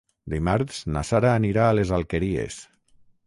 Dimarts na Sara anirà a les Alqueries.